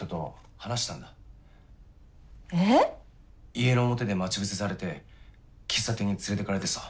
家の表で待ち伏せされて喫茶店に連れていかれてさ。